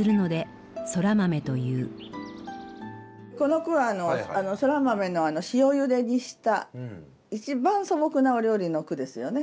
この句はそら豆の塩ゆでにした一番素朴なお料理の句ですよね。